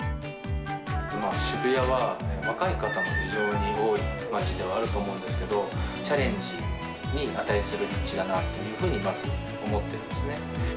渋谷は若い方も非常に多い街ではあるとは思うんですけど、チャレンジに値するリッチだなと、まず思ってますね。